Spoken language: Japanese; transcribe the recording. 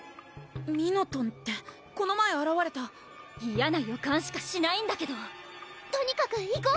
ミノトンってこの前あらわれた嫌な予感しかしないんだけどとにかく行こ！